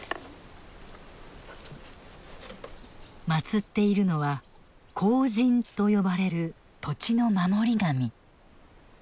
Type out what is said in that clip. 祀っているのは「荒神」と呼ばれる土地の守り神。